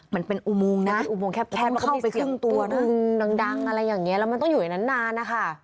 มันเป็นอุมวงนะแค่เข้าไปเสียบตัวนั้นอืมดังอะไรอย่างนี้แล้วมันต้องอยู่ไหนนาน